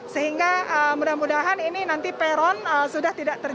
sehingga mudah mudahan ini nanti peron sudah tidak terjadi